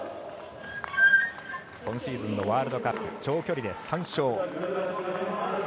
今シーズンのワールドカップ長距離で３勝。